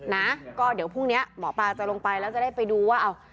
นะก็เดี๋ยวพรุ่งนี้หมอปลาจะลงไปแล้วจะได้ไปดูว่าอ้าว